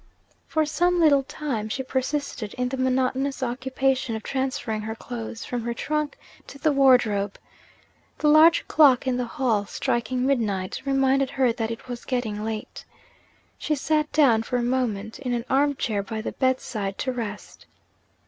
For some little time, she persisted in the monotonous occupation of transferring her clothes from her trunk to the wardrobe. The large clock in the hall, striking mid night, reminded her that it was getting late. She sat down for a moment in an arm chair by the bedside, to rest.